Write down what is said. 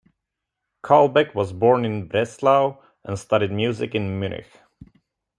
Kalbeck was born in Breslau and studied music in Munich.